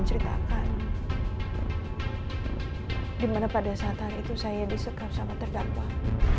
ceritakan dimana pada saat itu saya disekat sama terdampak